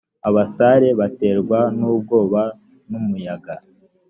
abasare baterwa n ubwoba numuyaga